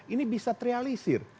ini bisa terrealisir